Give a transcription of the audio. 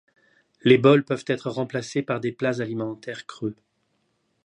Les bols peuvent être remplacés par des plats alimentaires creux.